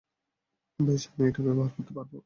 বেশ, আমি এটা ব্যবহার করতে পারব।